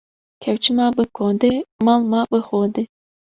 Kevçî ma bi kodê, mal ma bi hodê